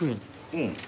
うん。